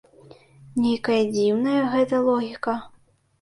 Нейкая дзіўная гэта логіка.